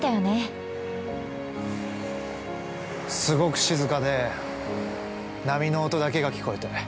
すごく静かで波の音だけが聞こえて。